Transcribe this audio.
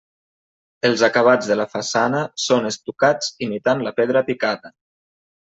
Els acabats de la façana són estucats imitant la pedra picada.